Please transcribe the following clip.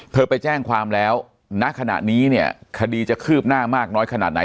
ไปแจ้งความแล้วณขณะนี้เนี่ยคดีจะคืบหน้ามากน้อยขนาดไหน